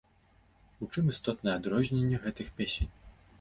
У чым істотнае адрозненне гэтых песень?